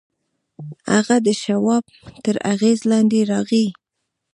هغه د شواب تر اغېز لاندې راغی